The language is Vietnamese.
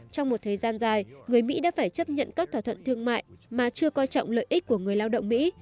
trong một thời gian dài người mỹ đã phải chấp nhận các thỏa thuận thương mại mà chưa coi trọng lợi ích của người lao động mỹ